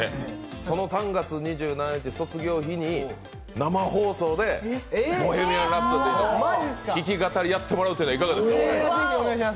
その３月２７日卒業の日に生放送で「ボヘミアン・ラプソディ」の弾き語りやってもらうっていうのはいかがですか？